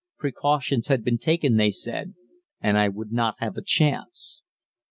Precautions had been taken, they said, and I would not have a chance.